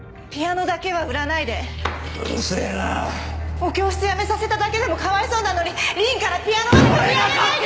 お教室やめさせただけでもかわいそうなのに凛からピアノまで取り上げないで！